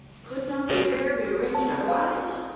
"Could not the affair be arranged otherwise?"